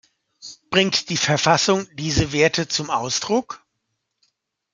Bringt die Verfassung diese Werte zum Ausdruck?